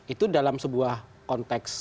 itu dalam sebuah konteks